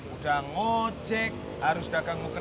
udah ngocek harus dagangmu kena pini